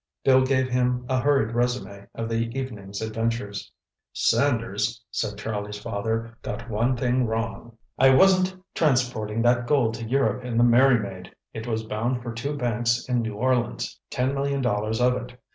Bill gave him a hurried resume of the evening's adventures. "Sanders," said Charlie's father, "got one thing wrong. I wasn't transporting that gold to Europe in the Merrymaid. It was bound for two banks in New Orleans—ten million dollars of it.